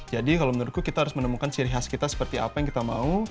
jadi kalau menurutku kita harus menemukan ciri khas kita seperti apa yang kita mau